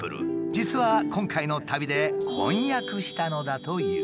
実は今回の旅で婚約したのだという。